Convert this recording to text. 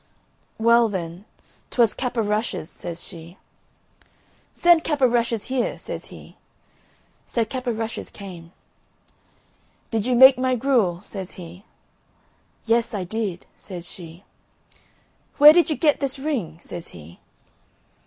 "Well, then, 'twas Cap o' Rushes," says she. "Send Cap o' Rushes here," says he. So Cap o' Rushes came. "Did you make my gruel?" says he. "Yes, I did," says she. "Where did you get this ring?" says he.